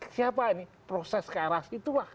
siapa ini proses ke arah situlah